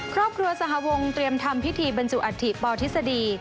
ครอบครัวสหวงเตรียมทำพิธีบรรจุอัฐิปอทฤษฎี